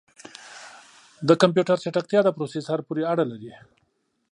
د کمپیوټر چټکتیا د پروسیسر پورې اړه لري.